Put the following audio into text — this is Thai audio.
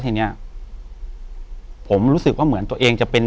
อยู่ที่แม่ศรีวิรัยยิวยวลครับ